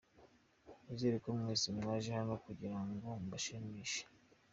Nizere ko mwese mwaje hano kugira ngo mbashimishe.